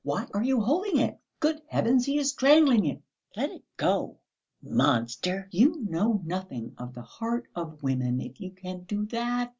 Why are you holding it? Good heavens, he is strangling it! Let it go! Monster! You know nothing of the heart of women if you can do that!